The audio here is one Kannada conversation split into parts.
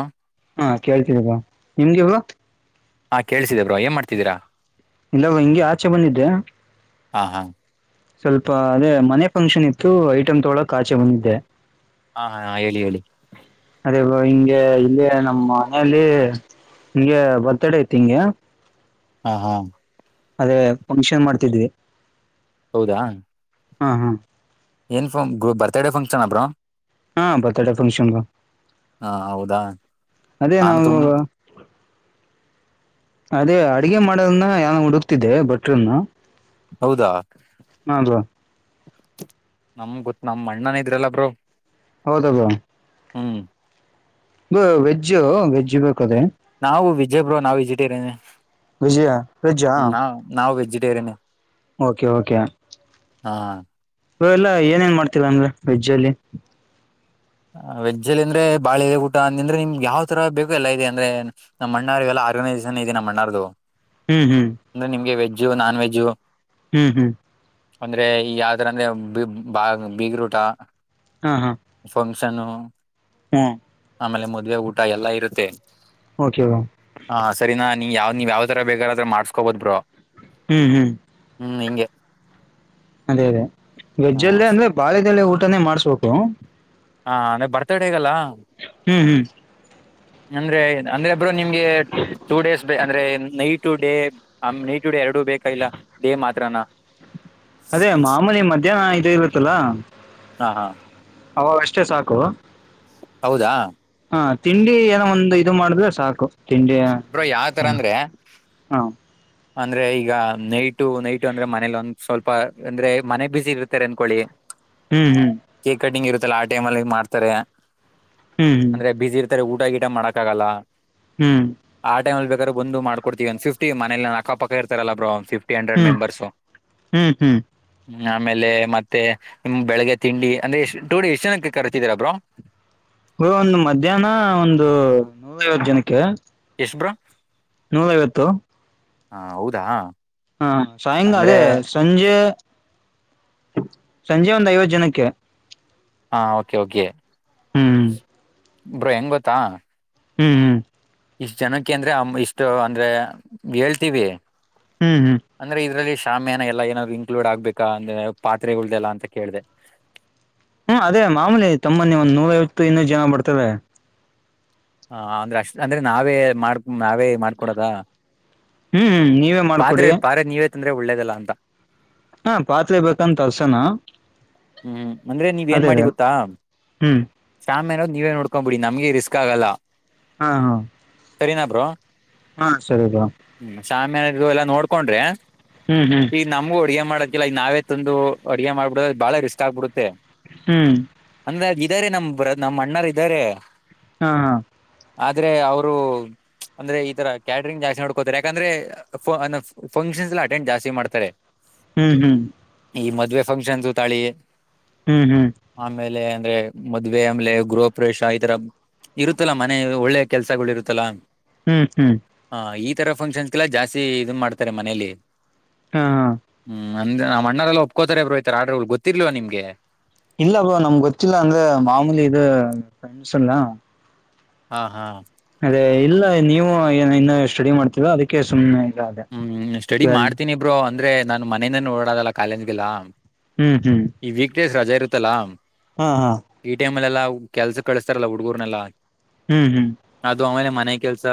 ಹಾ ಹಾ ಕೇಳ್ತಿದ್ದಪ್ಪಾ ನಿಮ್ಗೆವ ಹಾ ಕೇಳುತ್ತಿದೆ ಏನ್ ಮಾಡ್ತಿದಿರಾ ಇಲ್ಲ ಹಂಗೆ ಆಚೆ ಬಂದಿದ್ದೆ ಹಾ ಹಾ ಸ್ವಲ್ಪ ಅದೇ ಮನೆ ಫಂಕ್ಷನ್ ಇತ್ತು ಐಟಮ್ ತೊಳೋ ಕಾಚೆ ಬಂದಿದ್ದೆ ಹಾ ಹಾ ಹೇಳಿ ಹೇಳಿ ಅದೇ ಬ ಹಿಂಗೆ ಇಲ್ಲಿ ನಮ್ಮ ಮನೆಯಲ್ಲಿ ನಿಂಗೆ ಬರ್ತಡೇ ಐತಿ ಹಂಗೆ ಹಾ ಹಾ ಅದೇ ಫಂಕ್ಷನ್ ಮಾಡ್ತಿದ್ವಿ ಹೌದಾ ಹಾ ಹಾ ಏನ್ಫ ಬರ್ತಡ ಫಂಕ್ಷನ್ ಅಬ್್ರರು ಹಾ ಬತ್ತಟ ಫಂಕ್ಷನ್ ಹಾ ಹೌದಾ ಅದೇ ನಾನು ನಾವು [unintelligible] ಅದೇ ಅಡಗೆ ಮಾಡೋದನ್ನ ಯಾನು ಹುಡುಕ್ತಿದ್ದೆ ಭಟ್ರನ್ನ ಹೌದಾ ಹಾ ಬ್ರೋ ನಮ್ ಗೊತ್ ನಮ ಅಣ್ಣನ ಇದ್ರಲ್ಲ ಬ್ರೋ ಹೌದ ಬ ಹ್ಞೂ ವೆಜ್ಜ್ ವೆಜ್ಜ್ ಬೇಕದ ನಾವು ವೆಜ್ ನಾವು ವಜಿಟೇರಿಯನ್ ವೆಜ್ ಆ ನಾವು ವೆಜಿಟೇರಿಯನ್ ಓಕೆ ಓಕೆ ಹಾ ಇ ಎಲ್ಲಾ ಏನ ಏನ್ ಮಾಡ್ತಿಲ್ಲ ಅಂದ್ರೆ ವೆಜ್ ಅಲ್ಲಿ ವೆಜ್ಜಲ್ಲಿ ಅಂದ್ರೆ ಬಾಳ ಇದೆ ಊಟ ಅ ಅಂದ್ರೆ ನಿಮ್ಗೆ ಯಾವ ತರ ಬೇಕು ಎಲ್ಲ ಇದೆ ಅಂದ್ರೆ ನಮ್ಮ್ಣ್ಣಾರರಿಗೆಲ್ಲ ಆರ್ಗನೈಸೇಷನ್ ಇದೆ ನಮ್ಮಣ್ಣಾ ಹ್ಮ್ ಹ್ಮ್ ಅಂದ ನಿಮ್ಗೆ ವೆಜ್ ನಾನ್ ವೆಜ್ಜು ಹ್ಮ್ ಹ್ಮ್ ಅಂದ್ರೆ ಈ ಯಾವ್ದರ ಅಂದ್ರೆ ಬಾ ಬೀಗ ರೂಟ ಹಾ ಹಾ ಫಂಕ್ಷನ್ನು ಹ್ಂ ಆಮೇಲೆ ಮದ್ವೆ ಊಟ ಎಲ್ಲಾ ಇರುತ್ತೆ ಓಕೆ ಹಾ ಸರಿನಾ ನೀವು ಯಾವ್ ನೀವ್ ಯಾವ ತರ ಬೇಕಾರ್ರ ಮಾಡ್ಸ್ಕೋಬಹ್ ಬ್ರೋ ಹ್ಮ್ ಹ್ಮ್ ಹ್ಮ್ ಹಂಗೆ ಅದೇ ಅದೇ ವೆಜ್ ಹ್ಮ್ ಹ ಅಲ್ಲೇ ಅಂದ್ರೆ ಬಾಳೆದಲ್ಲೇ ಊಟನೇ ಮಾಡ್ಸ್ಬೇಕು ಹಾ ಅಂದೇ ಬರ್ತಾಡೆ ಹೇಗಲ್ಲ ಹ್ಮ್ ಹ್ಮ್ ಅಂದ್ರೆ ಅಂದ್ರೆ ಒಬ್ಬರು ನಿಮ್ಗೆ ಟೂ ಡೇಸ್ ಬ ಅಂದ್ರೆ ನೈಟ್ ಟು ಡೇ ನೈ ಟ ಡ ಎರಡು ಬೇಕ ಇಲ್ಲ ದೇ ಮಾತ್ರನಾ ಅದೇ ಮಾಮೂಲಿ ಮಧ್ಯಾಹ್ನ ಇ ಇರುತ್ತಲ್ಲಾ ಹಾ ಹಾ ಅವ ಅಷ್ಟೇ ಸಾಕು ಹೌದಾ ಹಾ ತಿಂಡಿ ಏನೋ ಒಂದು ಇದು ಮಾಡಿದ್ರೆ ಸಾಕು ತಿಂಡಿ ಬ್ರೋ ಯಾವ ತರ ಅಂದ್ರೆ ಹಾ ಅಂದ್ರೆ ಈಗ ನೈಟು ನೈಟು ಅಂದ್ರೆ ಮನೇಲಿ ಒಂದ್ ಸ್ವಲ್ಪ ಅಂದ್ರೆ ಮನೆ ಬಿಸಿ ಇರ್ತಾರೆ ಅನ್ಕೊಳ್ಳಿ [unintelligible] ಹ್ಮ್ ಹ್ಮ್ ಕೇಕ್ ಕಟ್ಟಿಂಗ್ ಇರುತ್ತಲ್ಲ ಆ ಟೈಮ್ಲ್ಲಿ ಮಾಡ್ತಾರೆ ಹ್ಮ್ ಹ್ಮ್ ಅಂದ್ರೆ ಬಿಸಿ ಇರ್ತಾರೆ ಊಟ ಗೀಟ ಮಾಡಕಕ್ಕಾಗಲ್ಲ ಹ್ಮ್ ಆ ಟೈಮ ಅ ಬೇಕ್ರ ಬಂದು ಮಾಡಕಡ್ತಿವಿ ಒ ಸಿ ಫಿ ಮೇನ ಅಕ್ಕಪಕ್ಕ ಇರ್ತಾರಲ್ಲ ಬ್ರ ಒ್ಫ್ ಟಿ ಹಂಡಂಡ್ರೆಡ್ ಹ್ಮ್ ಮೆಂಬರ್ಸ್ ಹ್ಮ್ ಆಮೇಲೆ ಮತ್ತೆ ನಿಮ್ ಬೆಳಿಗ್ಗೆ ತಿಂಡಿ ಅಂದ್ರೆ ಎಷ್ಟ್ ಟೂಡಿ ಎಷ್ಟು ಜನಕ್ಕೆ ಕರ್ತಿದರಬ್ರೋ ಒಂದು ಮಧ್ಯಾಹ್ನ ಒಂದು ನೂರ ಐವತ್ತು ಜನಕ್ಕೆ ಎಷ್ಟ ಬ್ರಾ ನೂಲವತ್ತು ಹಾ ಹೌದಾ ಹಾ ಸಾಯಂಕಾಲ ಅಂದ್ರೆ ಅದೇ ಸಂಜೆ ಸಂಜೆ ಒಂದ್ ಐವತ್ತು ಜನಕ್ಕೆ ಹಾ ಓಕೆ ಓಕೆ ಹ್ಮ್ ಬ್ರೋ ಹೆಂಗ ಗೊತ್ತಾ ಹ್ಮ್ ಹ್ಮ್ ಇಷ್ಟು ಜನಕ್ಕೆ ಅಂದ್ರೆ ಇಷ್ಟು ಅಂದ್ರೆ ಹೇಳ್ತೀವಿ ಹ್ಮ್ ಹ್ಮ್ ಅಂದ್ರೆ ಇದ್ರಲ್ಲಿ ಶಾಮ್ಯಾನ ಎಲ್ಲಾ ಏನಾದ್ರೂ ಇನ್ಕ್ಲೂಡ್ ಆಗ್ಬೇಕಾ ಅಂದ್ರೆ ಪಾತ್ರೆಗಳ್ದಲ್ಲಾ ಅಂತ ಕೇಳ್ದೆ. ಹ್ಮ್ ಅದೇ ಮಾಮೂಲಿ ತಮ್ಮನ್ನಿ ಒಂದ್ ನೂರೈವತ್ತು ಇನ್ನೂರು ಜನ ಬರ್ತಾವೆ. ಹ ಅಂದ್ರೆ ಅಷ್ಟ್ ಅಂದ್ರೆ ನಾವೇ ಮಾಡ ನಾವೇ ಮಾಡ್ಕೊಡದ. ಹ್ಮ್ ನೀವೇ ಮಾಡ್ಕೊಡಿ ಪಾತ್ರೆ ಪಾತ್ ನೀವೇತಂದ್ರೆ ಒಳ್ಳೇದಲ್ಲ ಅಂತ ಹಾ ಪಾತ್ರೆ ಬೇಕಂತ ತರ್ಸಣ. ಹ್ಮ್ ಅಂದ್ರೆ ನೀವ್ ಏನ್ ಮಾಡಿ ಗೊತ್ತಾ. ಹ್ಮ್ ಶಾಮ್ ಅನೋ ನೀವೇ ನೋಡ್ಕ್ಂಬಿಡಿ ನಮಗೆ ರಿಸ್ಕ್ ಆಗಲ್ಲ. ಹಾ ಹಾ ಸರಿನಾ ಬ್ರೋ ಹಾ ಸರಿ ಬ್ರೋ ಹ್ಮ್ ಶಾಮ್ಯನ ಎಲ್ಲಾ ನೋಡ್ಕೊಂಡ್ರೆ ಹ್ಮ್ ಹ್ಮ್ ಈ ನಮಗು ಅಡುಗೆ ಮಾಡಕ್ ಇಲ್ಲ ಈಗ ನಾವೇ ತಂದು ಅಡುಗೆ ಮಾಡಬಿಡದು ಬಾಳ ರಿಸ್ಕ್ ಆಗ್ಬಿಡುತ್ತೆ. ಹ್ಮ್ ಅಂದ್ರೆ ಅದ ಇದಾರೆ ನಮ್ ಬ್ರ್ ನಮ್ಮ್ ಅಣ್ಣರು ಇದ್ದಾರೆ. ಹಾ ಹಾ ಆದ್ರೆ ಅವರು. ಅಂದ್ರೆ ಈ ತರ ಕ್ಯಾಟರಿಂಗ್ ಜಾಸ್ತಿ ಮಾಡ್ಕೋತಾರೆ ಯಾಕಂದ್ರೆ ಫಂಕ್ಷನ್ಸ್ ಎಲ್ಲಾ ಅಟೆಂಡ್ ಜಾಸ್ತಿ ಮಾಡ್ತಾರೆ. [unintelligible] ಹ್ಮ್ ಹ್ಮ್ ಈ ಮದ್ವೆ ಫಂಕ್ಷನ್ ದು ತಾಳಿ ಹ್ಮ್ ಹ್ಮ್ ಆಮೇಲೆ ಅಂದ್ರೆ ಮದ್ವೆೆ ಆಮೇಲೆ ಗೃಹಪ್ರೇಶ ಈತರ ಇರುತ್ತಲ್ಲ ಮನೆ ಒಳ್ಳೆ ಕೆಲಸಗಳು ಇರುತ್ತಲ್ಲಾ. ಹ್ಮ್ ಹ್ಮ್ ಹ ಈ ತರ ಫಂಕ್ಷನ್ಸ್ ಎಲ್ಲ ಜಾಸ್ತಿ ಇದನ್ ಮಾಡ್ತಾರೆ ಮನೇಲಿ ಹಾ ಹಾ ಹ್ಮ್ ಅಂದ ಅಣ್ಣಾವ್ರ ಒಪ್ಕೋತಾರೆ ಬ್ರೋ ಇತರ ಆರ್ಡರಗಳು ಗೊತ್ತಿರ್ಲಿಲ್ವಾ ನಿಮಗೆ. ಇಲ್ಲ ಬ್ರೋ ನಮ್ಗೆ ಗೊತ್ತಿಲ್ಲ ಅಂದ್ರೆ ಮಾಮೂಲಿ ಇದೇ [unintelligible] ಹಾ ಹಾ ಅದೇ ಇಲ್ಲ ನೀವು ಏ ಇನ್ನು ಸ್ಟಡಿ ಮಾಡ್ತೀರ ಅದಕ್ಕೆ ಸುಮ್ಮ್ನೆ ಹ್ಮ್ ಸ್ಟಡಿ ಮಾಡ್ತೀನಿ ಬ್ರೋ ಅಂದ್ರೆ ನಾನ್ ಮನೆಯಿಂದನೆ ಓಡೋದಲ್ಲ ಕಾಲೇಜ್ಗೆಲ್ಲ ಹ್ಮ್ ಹ್ಮ್ ಈ ವೀಕ್ ಡೇಸ್ ರಜಾ ಇರುತ್ತಲಾ. ಹಾ ಹಾ ಈ ಟೈಮ್ ಅಲ್ಲ ಕೆಲ್ಸ ಕಳಿಸ್ತಾರಲ್ಲ ಹುಡುಗೂರನೆಲ್ಲ. ಹ್ಮ್ ಹ್ಮ್ ಅದು ಆಮೇಲೆ ಮನೆ ಕೆಲಸ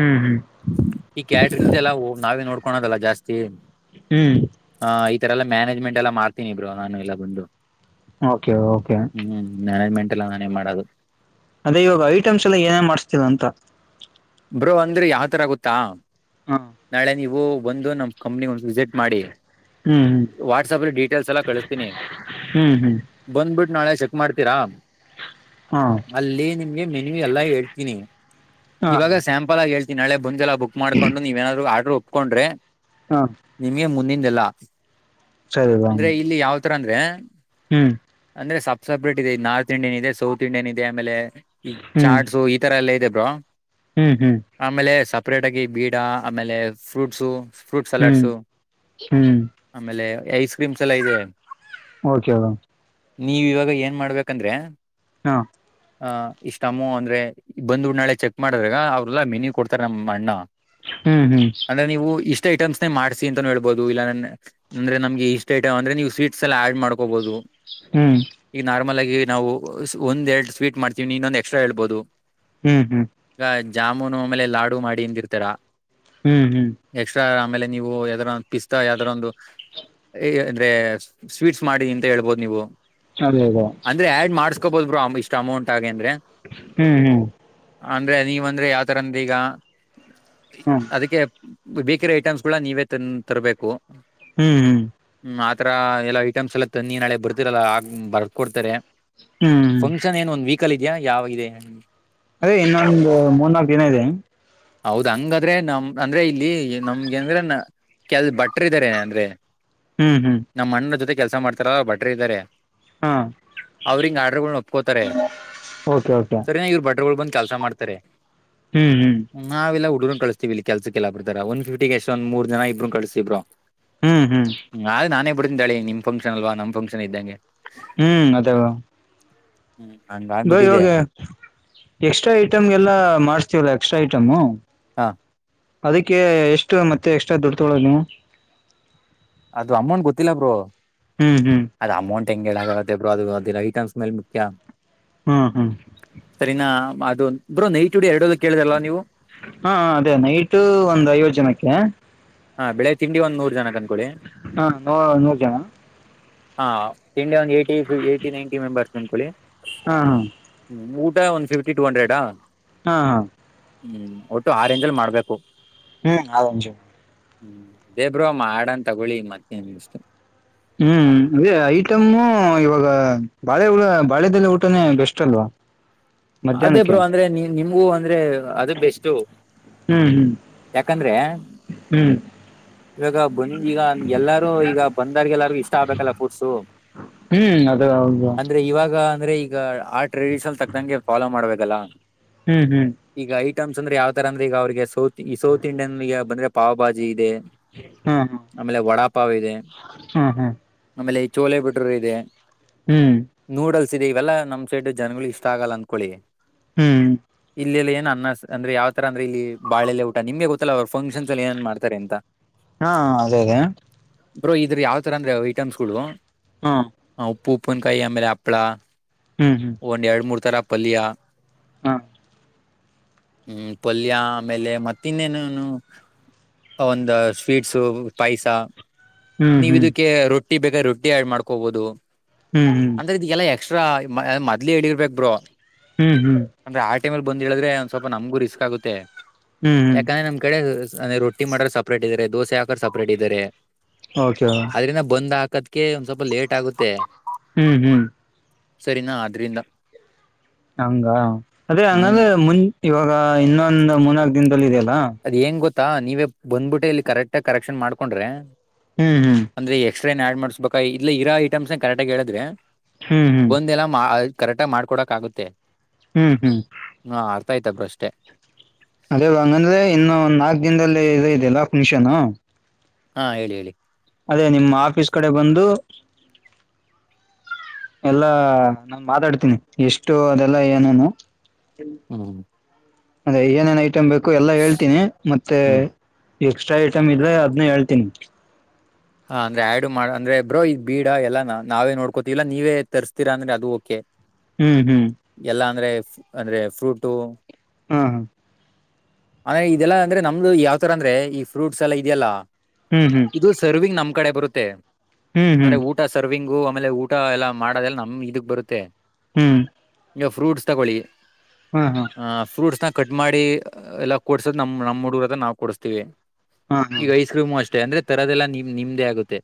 ಹ್ಮ್ ಹ್ಮ್ ಈ ಕ್ಯಾಟ್ರಿಂಗ್ ದೆಲ್ಲ ಎಲ್ಲವು ನಾವೇ ನೋಡ್ಕೋಳೋದಲ್ಲ ಜಾಸ್ತಿ. ಹ್ಮ್ ಹ ಈತರ ಎಲ್ಲಾ ಮ್ಯಾನೇಜ್ಮೆಂಟ್ ಎಲ್ಲಾ ಮಾಡ್ತೀನಿ ಬ್ರೋ ನಾನು ಎಲ್ಲಾ ಬಂದು. ಓಕೆ ಓಕೆ ಹ್ಮ್ ಮ್ಯಾನೇಜ್ಮೆಂಟ್ ಎಲ್ಲಾ ನಾನೆ ಮಾಡೋದು. ಅದೇ ಇವಾಗ ಐಟಮ್ಸ್ ಎಲ್ಲಾ ಏನೆನ್ ಮಾಡಸ್ತೀರ ಅಂತ. ಬ್ರೋ ಅಂದ್ರೆ ಯಾವತರ ಗೊತ್ತಾ. ಹ್ಮ ನಾಳೆ ನೀವು ಬಂದು ನಮ ಕಂಪ್ನಿ ಒಂದು ವಿಸಿಟ್ ಮಾಡಿ. ಹ್ಮ್ ವಾಟ್ಸಪ್ ಅಲ್ಲಿ ಡೀಟೇಲ್ಸ್ ಎಲ್ಲಾ ಕಳಸ್ತೀನಿ. ಹ್ಮ್ ಹ್ಮ್ ಬಂದ್ಬಿಟ್ಟು ನಾಳೆ ಚೆಕ್ ಮಾಡ್ತೀರಾ ಹಾ ಅಲ್ಲಿ ನಿಮ್ಗೆ ಮೆನ್ಯೂ ಎಲ್ಲ ಹೇಳ್ತೀನಿ. ಹಾ ಇವಾಗ ಸ್ಯಾಂಪಲ್ ಆಗ ಹೇಳ್ತೀನಿ ನಾಳೆ ಬಂದೇಲ್ಲ ಬುಕ್ ಮಾಡ್ಕೊಂಡು ನೀವೇನಾದ್ರು ಆರ್ಡರ್ರು ಒಪ್ಕೊಂಡ್ರೆ. ಹಾ ನಿಮ್ಗೆ ಮುಂದಿಂದೆಲ್ಲ ಸರಿ ರಾಮ್ ಅಂದ್ರೆ ಇಲ್ಲಿ ಯಾವತರ ಅಂದ್ರೆ. ಹ್ಮ್ ಅಂದ್ರೆ ಸಪ್ ಸಪ್ರೇಟ್ ಇದೆ ನಾರ್ತ್ ಇಂಡಿಯನ್ ಇದೆ ಸೌತ್ ಇಂಡಿಯನ್ ಇದೆ ಆಮೇಲೆ ಈ ಹ್ಮ್ ಚಾಟ್ಸು ಇ ತರ ಎಲ್ಲಾ ಇದೆ ಬ್ರೋ. ಹ್ಮ್ ಹ್ಮ್ ಆಮೇಲೆ ಸಪ್ರೇಟ್ ಆಗಿ ಬೀಡ ಆಮೇಲೆ ಫ್ರೂಟ್ಸು. ಫ್ರೂಟ್ ಹ್ಮ್ ಸಲಾಡ್ಸು ಹ್ಮ್ ಆಮೇಲೆ ಐಸ್ ಕ್ರೀಮ್ಸ್ ಎಲ್ಲ ಇದೆ ಓಕೆ ರಾಮ್ ನೀವ್ ಇವಾಗ ಏನ್ ಮಾಡ್ಬೇಕಂದ್ರೆ. ಹ್ಮ ಅ ಇಷ್ಟಮ್ಮು ಅಂದ್ರೆ ಬಂದ್ ನಾಳೆ ಚಕ್ ಮಾಡಿದ್ರಾಗ ಅವ್ರಲ್ಲಾ ಮಿನಿ ಕೊಡ್ತಾರೆ ನಮ್ಮ್ ಅಣ್ಣ. ಹ್ಮ್ ಹ್ಮ್ ಅಂದ್ರೆ ನೀವು ಇಷ್ಟೇ ಐಟಮ್ಸ್ ಮಾಡಿಸಿ ಅಂತಾನೂ ಹೇಳ್ಬಹುದು ಇಲ್ಲ ನನ್ನ ಅಂದ್ರೆ ನಮ್ಗೆ ಇಷ್ಟ ಐಟಮ್ ಅಂದ್ರೆ ನೀವು ಸ್ವೀಟ್ಸ್ ಎಲ್ಲಾ ಆಡ್ ಮಾಡ್ಕೋಬಹುದು. ಹ್ಮ್ ಈಗ ನಾರ್ಮಲ್ ಆಗ ನಾವು ಒಂದ ಎರಡು ಸ್ವೀಟ್ ಮಾಡ್ತೀವಿ ಇನ್ನೊಂದ್ ಎಕ್ಸ್ಟ್ರಾ ಹೇಳ್ಬಹದು. ಹ್ಮ್ ಹ್ಮ್ ಈಗ ಜಾಮೂನು ಆಮೇಲೆ ಲಾಡು ಮಾಡಿ ಅಂದಿರ್ತೀರ. ಹ್ಮ್ ಹ್ಮ್ ಎಕ್ಸ್ಟ್ರಾ ಆಮೇಲೆ ನೀವು ಯಾವದಾರ ಒಂದು ಪಿಸ್ತಾ ಯಾವದಾರ ಒಂದು. ಅಂದ್ರೆ ಸ್ವೀಟ್ಸ್ ಮಾಡಿ ಅಂತ ಹೇಳ್ಬೋದು ನೀವು. ಅದೇ ಅದೇ ಅಂದ್ರೆ ಆಡ್ ಮಾಡಸ್ಕೋಬೋದು ಬ್ರೋ ಇಷ್ಟ ಅಮೌಂಟ್ ಅಗಿ ಅಂದ್ರೇ. ಹ್ಮ್ ಹ್ಮ್ ಅಂದ್ರೆ ನೀವಂದ್ರೆ ಯಾವತರ ಅಂದ್ರೇ ಈಗ ಹ್ಮ್ ಹ್ಮ್ ಹ್ಮ್ ಹ್ಮ್ ಅದಕ್ಕೆ. ಬೇಕಿರೋ ಐಟೆಮ್ಸಗುಳನ ನೀವೇ ತಂ ತರಬೇಕು. ಹ್ಮ್ ಹ್ಮ್ ಹ್ಮ್ ಆತರ ಎಲ್ಲಾ ಐಟಮ್ಸ್ ಎಲ್ಲ ತನ್ನಿ ನಾಳೆ ಬರ್ತಿರಲ್ಲ ಆಗ್ ಬರ್ದ್ ಕೊಡ್ತಾರೆ. ಹ್ಮ್ ಫಂಕ್ಷನ್ ಏನ್ ಒಂದ್ ವೀಕಲ್ ಇದ್ಯಾ ಯಾವಾಗ ಇದೆ. ಅದೇ ಇನ್ನೊಂದು ಮೂರ್ನಾಲ್ಕು ದಿನ ಇದೆ. ಹೌದ್ ಹಂಗಾದ್ರೆ ನಮ್ ಅಂದ್ರೆ ಇಲ್ಲಿ ನಮ್ಗೆ ಅಂದ್ರೆ ನ ಕೇಲ್ ಬಟ್ಟರ್ ಇದ್ದಾರೆ ಅಂದ್ರೆ. ಹ್ಮ್ ಹ್ಮ್ ನಮ್ಮ ಅಣ್ನನ ಜೊತೆ ಕೆಲಸ ಮಾಡ್ತಾರಲ್ಲಾ ಆ ಭಟ್ರು ಇದ್ದಾರೆ. ಹಾ ಅವ್ರಿಂಗದಆಡ್ರುಗಳ್ನ್ ಒಪ್ಕೋತಾರೆ. ಓಕೆ ಓಕೆ ಸರಿಯಾಗಿ ಭಟ್ರಗಳು ಬಂದು ಕೆಲಸ ಮಾಡ್ತಾರೆ. ಹೂ ಹೂ ನಾವೆಲ್ಲ ಹುಡುಗರುನ್ ಕಳಸ್ತಿವಿ ಇಲ್ಲಿ ಕೆಲ್ಸಕ್ಕೆಲ್ಲ ಬರ್ತಾರ ಒನ್ ಡ್ಯೂಟಿಗೆ ಒಂದ ಮೂರ್ ಜನ ಇಬ್ರುೂ ಕಳಸ್ತೀವಿ ಬ್ರೋ. ಹ್ಮ್ ಹ್ಮ್ ನಾಳೆ ನಾನೇ ಬಿಡ್ತೀನಿ ನಡಿ ನಿಮ ಫಂಕ್ಷನ್ ಅಲ್ವಾ ನಮ್ ಫಂಕ್ಷನ್ ಇದ್ದಂಗೆ ಹ್ಮ್ ಅದೇವಾ ಹ್ಮ್ ಅಂದ ಬ ಇವಾಗ ಎಕ್ಸ್ಟ್ರಾ ಐಟಮ್ಗೆಲ್ಲ ಮಾಡ್ಸ್ತೀವಲ್ಲಾ ಎಕ್ಸ್ಟ್ರಾ ಐಟಮು ಹಾ ಅದಕ್ಕೆ ಎಷ್ಟು ಮತ್ತೆ ಎಕ್ಸ್ಟ್ರಾ ದುಡ್ಡು ತೊಗೊಳ್ಳಳದು ನೀವು ಅದು ಅಮ್ಮನ್ ಗೊತ್ತಿಲ್ಲ ಬ್ರರು ಹ್ಮ್ ಹ್ಮ್ ಅದು ಅಮೌಂಟ್ ಹೆಂಗ ಹೇಳಳಾಗುತ್ತೆ ಬ್ರೋ ಅದು ಅದೆ ಐಟಮ್ಸ್ ಮೇಲ್ ಮುಖ್ಯ ಹ್ಮ್ ಹ್ಮ್ ಸರಿನಾ ಅದು ಬ್ರೋ ನೈಟ್ಡಿ ಎರಡದು ಕೇಳ್ರಲ್ಲಾ ನೀವು ಹಾ ಅದೇ ನೈಟ್ ಒಂದ್ ಐವತ್ತು ಜನಕ್ಕೆ ಹಾ ಬೆಳಿಗ್ಗೆ ತಿಂಡಿ ಒಂದ್ ನೂರ್ ಜನ ಅಂದಕೊಳ್ಳಿ ಹಾ ನೂ ನೂರ್ ಜನ ಹಾ ತಿಂಡಿ ಒಂದು ಏಯ್ಟಿ ಏಯ್ಟಿ ನೈನ್ಟಿ ಮೆಂಬರ್ಸ್ ಅಂದ್ಕೊಳ್ಳಿ ಹಾ ಹಾ ಹ್ಮ ಊಟ ಒಂದು ಫಿಫ್ಟಿ ಟೂ ಹಂಡ್ರೆಡ್ ಹಾ ಹಾ ಹ್ಮ್ ಒಟ್ಟು ಆರೆೇಂಜ ಅಲ್ಲಿ ಮಾಡ್ಬೇಕು ಹ್ಮ್ ಹ್ಮ್ ಅದೇ ಬ್ರೋ ಮಾಡನ್ ತಗೊಳ್ಳಿ ಮತ್ತನ್ಷ್ಟು ಹ್ಮ್ ಅದೇ ಐಟಮು ಇವಾಗ ಬಾಳೆಳ ಬಾಳೆದಲ್ಲಿ ಊಟನೇ ಬೆಸ್ಟ್ ಅಲ್ವಾ ಅದೇ ಮಧ್ಯಾಹ್ನಕ್ಕೆ ಬ್ರೋ ಅಂದ್ರೆ ನಿಮಗೂ ಅಂದ್ರೆ ಅದು ಬೆಸ್ಟ್ ಹ್ಮ್ ಹ್ಮ್ ಯಾಕಂದ್ರೆ ಹ್ಮ್ ಇವಾಗ ಬನ್ನ ಈಗ ಎಲ್ಲಾರೂ ಈಗ ಬಂದಾರ್ಗೆ ಎಲ್ಲಾರು ಇಷ್ಟ ಆಗ್ಬೇಕಲ್ಲ ಫುರ್ಟ್ಸು ಹ್ಮ್ ಅದೇ ಹೌದು ಇವಾಗ ಅಂದ್ರೆ ಈಗ ಆ ಟ್ರೆಡಿಷನ್ ತಕ್ಕಂಗೆ ಫಾಲೋ ಮಾಡ್ಬೇಕಲ್ಲ ಹ್ಮ್ ಹ್ಮ್ ಈಗ ಐಟಮ್ಸ್ ಅಂದ್ರೆ ಯಾವ ತರ ಅಂದ್ರೆ ಈಗ ಅವ್ರಿಗೆ ಸೌತ್ ಈ ಸೌತ್ ಇಂಡಿಯನ್ ಈಗ ಬಂದ್ರೆ ಪಾವಭಾಜಿ ಇದೆ ಹಾ ಆಮೇಲೆ ವಡಾಪಾವ್ ಇದೆ ಹಾ ಹಾ ಆಮೇಲೆ ಈ ಚೋಳ ಬಿಡರು ಇದೆ ಹ್ಮ್ ನೂಡಲ್ಸ್ ಇದೆ ಇವೆಲ್ಲ ನಮ್ ಸೈಡ್ ಜನ್ಗಳು ಇಷ್ಟ ಆಗಲ್ಲ ಅಂದ್ಕೊಳ್ಳಿ ಹ್ಮ್ ಇಲ್ಲೆಲ್ಲ ಏನ್ ಅನ್ನ ಅಂದ್ರೆ ಯಾವ ತರ ಅ್ರ ಇಲ್ಲಿ ಬಾಳೆಲ್ಲ ನಿಮ್ಗೆ ಗೊತ್ತಲ್ಲ ಅವರು ಫಂಕ್ಷನ್ಸ್ ಅ ಏನ್ ಮಾಡ್ತಾರೆ ಅಂತ ಹಾ ಅದೇ ಅದೇ ಬ್ರೋ ಇದ್ರ ಯಾವ ತರ ಅಂದ್ರೆ ಐಟಮ್ಸ್ಗಳು ಹಾ ಹ ಉಪ್ಪುಪನ್ ಕೈ ಆಮೇಲೆ ಅಳ ಹ್ಮ್ ಹ್ಮ್ ಒಂದ ಎರಡು ಮೂರು ಥರ ಪಲ್ಯ ಹ್ಮ ಹ್ಮ್ ಪಲ್ಯ ಆಮೇಲೆ ಮತ್ತ ಇನ್ನೇನನು ಒಂದು ಸ್ವೀಟ್ಸ ಪೈಸ ಹ್ಮ್ ನೀವ ಹ್ಮ್ ಇದಕ್ಕೆ ರೊ ರೊಟ್ಟಿ ಬೇಗ ರೊಟ್ಟಿ ಆಡ್ ಮಾಡ್ಕೋಬಹುದು ಹ್ಮ್ ಹ್ಮ್ ಅಂದ್ರೆ ಇದಗೆಲ್ಲ ಎಕ್ಸ್ಟ್ರಾ ಮದ್ೇ ಎಳಿರ್ಬೇಕು ಬ್ರರು ಹ್ಮ್ ಹ್ಮ್ ಅಂದ್ರೆ ಆಟೆ ಮೇಲ್ ಬಂದ್ ಇ ಹೇಳಿದ್ರೆ ಒ್ ಸ್ವಲ್ಪ ನಮ್ಗೂ ರಿಸ್ಕ್ ಆಗುತ್ತೆ ಹ್ಮ್ ಹ್ಮ್ ಯಾಕಂದ್ರೆ ನಮ್ ಕಡೆಂದ ರೊಟ್ಟಿ ರಟ್ಟಿ ಮಾಡರ್ ಸಪ್ರೇಟ್ ಇದ್ದಾರೆ ದೋಸೆ ಹಕ ಸಪರೇಟ್ ಇದಾರೆ ಓಕೆ ಅದರಿಂದ ಬಂದು್ ಹಾಕೋದಕ್ಕೆ ಒಂದು್ ಸ್ವಲ್ಪ ಲೇಟ್ ಆಗುತ್ತೆ ಹ್ಮ್ ಹ್ಮ್ ಸರಿನಾ ಆದ್ರಿಂದ ಹಂಗ ಅದೇ ಹ್ಮ್ ಹಂಗಂದ್ರೆ ಮುನ್ ಇವಾಗ ಇನ್ನೊಂದು ಮೂನಾಕ್ ದಿನದಲ್ಲಿ ಇದೆಯಲ್ಲಾ ಅದ್ ಹೆಂಗ ಗೊತ್ತಾ ನೀವೇ ಬಂದ್ಬಿಟ್ಟೆ ಇಲ್ಲಿ ಕರೆಕ್ಟ ಕರೆಕ್ಷನ್ ಮಾಡ್ಕೊಂಡ್ರೆ ಹ್ಮ್ ಹ್ಮ್ ಅಂದ್ರೆ ಎಕ್ಸ್ಟ್ರಾ ಏ ಆಡ್ ಮಾಡ್ಸ್ಬೇಕ ಇ ಇರೋ ಐಟಮ್ಸ್ ಕರೆಕ್ಟ್ ಆಗ ಹೇಳಿದ್ರೆ ಹ್ಮ್ ಹ್ಮ್ ಬಂದ ಎಲ್ಲ ಕರೆಕ್ಟ ಮಾಡ್ಕೊೋಕ್ ಆಗುತ್ತೆ ಹ್ಮ್ ಹ್ಮ್ ಹಾ ಅರ್ಥ ಆಯ್ತ ಬರು ಅಷ್ಟೇ ಅದೇಂಗಂದ್ರೆ ಇನ್ನು ಒಂದ್ ನಾಲ್ಕ್ ದಿನದಲ್ಲಿ ಇ ಇದೆಲ್ಲ ಫಂಕ್ಷನ್ ಹಾ ಹೇಳಿ ಹೇಳಿ ಅದೇ ನಿಮ್ಮ ಆಫೀಸ್ ಕಡೆ ಬಂದು ಎಲ್ಲಾ ನಾ ಮಾತಾಡ್ತೀನಿ ಎಷ್ಟು ಅದೆಲ್ಲಾ ಏನನು ಹ್ಮ ಅದೇ ಏನೇನ್ ಐಟಮ್ ಬೇಕು ಎಲ್ಲ ಹೇಳ್ತೀನಿ ಮತ್ತೆ ಹ್ಮ್ ಎಕ್ಸ್ಟ್ರಾ ಐಟಮ್ ಇದ್ರೆ ಅದ್ನ ಹೇಳ್ತೀನಿ ಹ ಅಂದ್ರೆ ಆ್ಯಡ್ ಮಾಡ ಅ್ರೆ ಬ್ರೋ ಈ್ ಬೀಡ ಎಲ್ಲಾನ ನಾವೇ ನೋಡ್ಕೋತಿಲ್ಲ ನೀವೇ ತರಿಸಸ್ತೀರಾ ಅಂದ್ರೆ ಅದು ಓಕೆ ಹ್ಮ್ ಹ್ಮ್ ಎಲ್ಲಾ ಅಂದ್ರೆ ಅಂದ್ರೆ ಫ್ರೂಟು ಹಾ ಹಾ ಅಂದ್ರೆ ಇದೆಲ್ಲಾ ಅಂದ್ರೆ ನಮ್ದು ಯಾವ್ ತರ ಅಂದ್ರೆ ಈ ಫ್ರೂಟ್ಸ್ ಎಲ್ಲ ಇದೆಯಲ್ಲ ಹ್ಮ್ ಹ್ಮ್ ಇದು ಸರ್ವಿಂಗ್ ನಮ್ಮ್ ಕಡೆ ಬರುತ್ತೆ ಹ್ಮ್ ಅಂದ್ರೆ ಹ್ಮ್ ಊಟ ಊಟ ಸರ್ವಿಂಗು ಆಮೇಲೆ ಊಟ ಎಲ್ಲ ಮಾಡೋದೆಲ್ಲ ನಮ್ ಇದಕ್ ಬರುತ್ತೆ ಹ್ಮ್ ನೀವು ಫ್ರೂಟ್ಸ್ ತಗೊಳ್ಳಿ ಹಾ ಹಾ ಆ್ ಫ್ರೂಟ್ಸ್ನ ಕಟ್ ಮಾಡಿ ಎಲ್ಲಾ ಕೊಡ್ಸೋದ್ ನಮ್ಮ್ ನಮ್ಮ ಹುಡುಗರತ್ರ ನಾವು ಕೊಡಿಸ್ತೀವಿ ಹಾ ಹಾ ಈಗ ಐಸ್ ಕ್ರೀಮು ಅಷ್ಟೇ ಅಂದ್ರೆ ತರದೆಲ್ಲಾ ನಿಮ ನಿಮ್ದೇ ಆಗುತ್ತೆ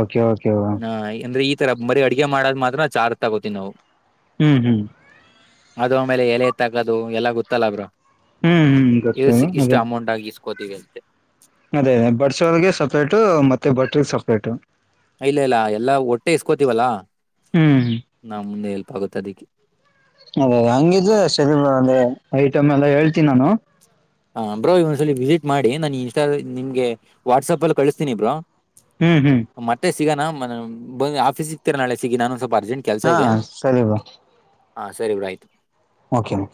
ಓಕೆ ಓಕೆ ಹಾ ಅಂದ್ರೆ ಈ ತರ ಬರೀ ಅಡ್ಗೆ ಮಾಡದ್ ಮಾತ್ರ ಚಾರ್ ತಗೋತೀವಿ ನಾವು ಹ್ಮ್ ಹ್ಮ್ ಅದು ಆಮೇಲೆ ಎಲೆ ತಗೋದು ಎಲ್ಲಾ ಗೊತ್ತಲ್ಲಾಬ್ರ ಹ್ಮ್ ಹ್ಮ್ ಗೊತ್ತು ಇಸ ಇಷ್ಟು ಅಮೌಂಟ್ ಆಗ ಇಸ್ಕೋತೀವಿ ಅಂತೆ ಅದೇ ಅದೇ ಬಟ್ಸೋರ್ಗೆ ಸಪ್ರೇಟು ಮತ್ತೆ ಬಟ್್ರ ಸಪ್ರೇಟು ಇಲ್ಲ ಇಲ್ಲ ಎಲ್ಲಾ ಹೊಟ್ಟೆ ಇಸ್ಕೋತಿವಲ್ಲಾ ಹ್ಮ್ ಹ್ಮ ನಮ ನೆ ಎಲ್ಪ್ ಆಗುತ್ತೆ ಅದಕ್ಕೆ ಅದ ಹಂಗಿದ್ರೆ ಐಟಮ್ ಎಲ್ಲ ಹೇಳ್ತೀನಿ ನಾನು ಹಾ ಬ್ರೋ ಇ ಒಂದ್ಸಲಲಿ ವಿಸಿಟ್ ಮಾಡಿ ನನ್ ಇನ್ಸ್ಟ ನಿಮ್ಗೆ ವಾಟ್ಸಾಪ್ ಅಲ್ಲಿ ಕಳಿಸ್ತಿನಿ ಬ್ರೋ ಹ್ಮ್ ಹ್ಮ್ ಮತ್ತೆ ಸಿಗೋಣ ಬ ಆಫೀಸ ಇಗ್ತೀರಾ ನಾಳೆ ಸಿಗಿ ನಾನುಂದು ಸ್ವಲ್ಪ ಅರ್ಜೆಂಟ್ ಕೆಲಸ ಹಾ ಇದೆ ಸರಿ ಬ್ರೋ ಹಾ ಸರಿ ಬಿಡ ಆಯತು ಓಕೆ ಮ